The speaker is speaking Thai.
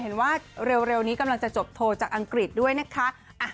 เห็นว่าเร็วนี้กำลังจะจบโทรจากอังกฤษด้วยนะคะ